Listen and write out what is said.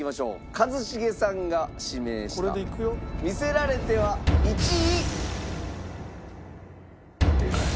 一茂さんが指名した『魅せられて』は１位。